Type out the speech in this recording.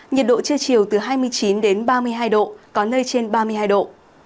nhiệt độ trưa chiều từ hai mươi chín đến ba mươi hai độ có nơi trên ba mươi hai độ